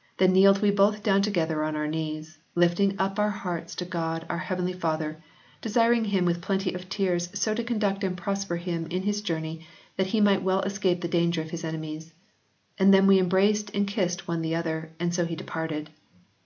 " Then kneeled we both down together on our knees, lifting up our hearts to God, our heavenly Father, desiring him with plenty of tears so to conduct and prosper him in his journey that he might well escape the danger of his enemies. And then we embraced and kissed one the other... and so he departed.